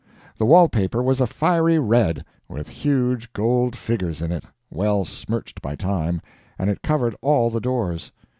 The wallpaper was a fiery red, with huge gold figures in it, well smirched by time, and it covered all the doors.